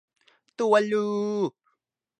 ตูวาลู